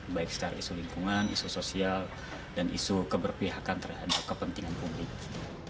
baik secara isu lingkungan isu sosial dan isu keberpihakan terhadap kepentingan publik